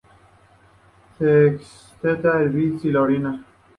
Se excreta en el bilis y la orina.